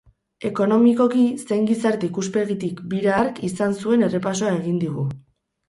Ekonomikoki zein gizarte ikuspegitik bira hark izan zuen errepasoa egin digu.